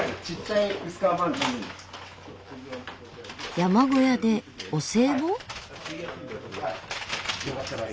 山小屋でお歳暮？